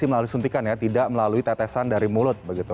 jadi melalui suntikan ya tidak melalui tetesan dari mulut begitu